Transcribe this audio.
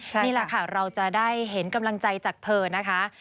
นี่แหละค่ะเราจะได้เห็นกำลังใจจากเธอนะคะ